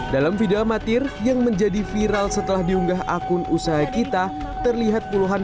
dalam video amatir yang menjadi viral setelah diunggah akun usaha kita terlihat puluhan